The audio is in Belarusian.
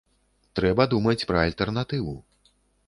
Трэба думаць пра альтэрнатыву.